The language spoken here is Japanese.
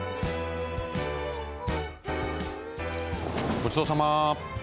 ごちそうさま。